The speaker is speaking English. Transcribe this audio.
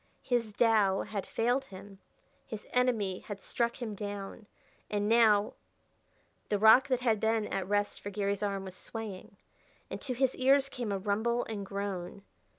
His Tao had failed him; his enemy had struck him down; and now The rock that had been a rest for Garry's arm was swaying, and to his ears came a rumble and groan.